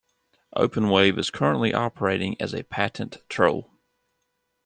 Openwave is currently operating as a patent troll.